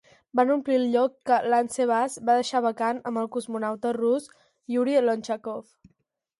Van omplir el lloc que Lance Bass va deixar vacant amb el cosmonauta rus Yuri Lonchakov.